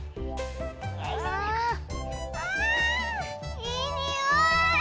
あいいにおい！